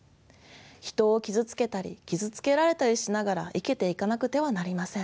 人を傷つけたり傷つけられたりしながら生きていかなくてはなりません。